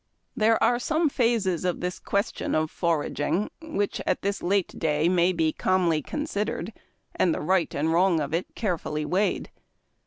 There are some phases of this question of foraging which at this late day may be calmly considered, and the right and wrong of it carefully weighed.